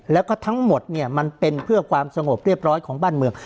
แล้วก็ทั้งหมดเนี่ยมันเป็นเพื่อความสงบเรียบร้อยของบ้านเมือง